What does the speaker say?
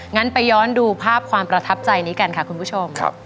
งั้นไปย้อนดูภาพความประทับใจนี้กันค่ะคุณผู้ชม